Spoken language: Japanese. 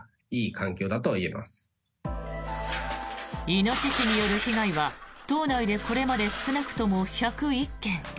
イノシシによる被害は島内でこれまで少なくとも１０１件。